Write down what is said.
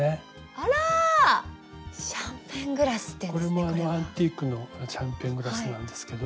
これもアンティークのシャンパングラスなんですけど。